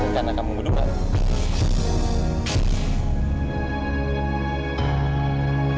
kana kamu buduh kada